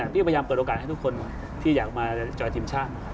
พี่ก็พยายามเปิดโอกาสให้ทุกคนที่อยากมาจอยทีมชาติ